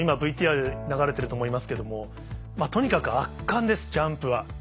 今ＶＴＲ流れてると思いますけどもとにかく圧巻ですジャンプは。